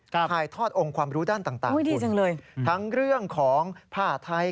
ครับถ่ายทอดองค์ความรู้ด้านต่างคุณทั้งเรื่องของภาษาไทย